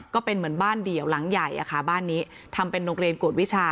ก็เป็นเหมือนบ้านเดี่ยวหลังใหญ่อะค่ะบ้านนี้ทำเป็นโรงเรียนกวดวิชา